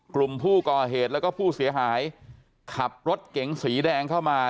กลุ่มผู้ก่อเหตุแล้วก็ผู้เสียหายขับรถเก๋งสีแดงเข้ามา